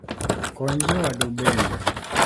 Kony jowadu bende